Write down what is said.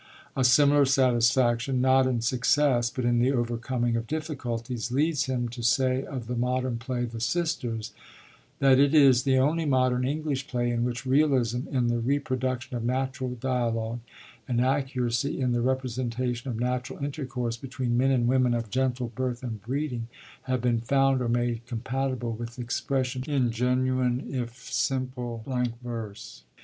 A similar satisfaction, not in success but in the overcoming of difficulties, leads him to say of the modern play, The Sisters, that it is the only modern English play 'in which realism in the reproduction of natural dialogue and accuracy in the representation of natural intercourse between men and women of gentle birth and breeding have been found or made compatible with expression in genuine if simple blank verse.'